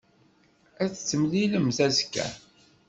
Ad t-temlilemt azekka.